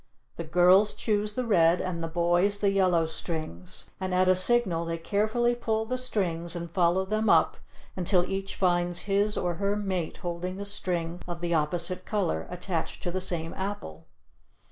The girls choose the red and the boys the yellow strings and at a signal they carefully pull the strings and follow them up until each finds his or her mate holding the string of the opposite color, attached to the same apple.